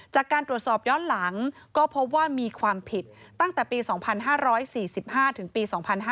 จากการตรวจสอบย้อนหลังก็พบว่ามีความผิดตั้งแต่ปี๒๕๔๕ถึงปี๒๕๕๙